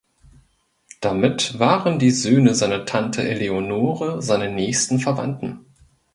Damit waren die Söhne seiner Tante Eleonore seine nächsten Verwandten.